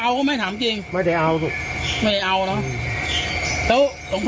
เอาก็ไม่ทำจริงไม่ได้เอาลูกไม่ได้เอาหรอแล้วหลวงพ่อ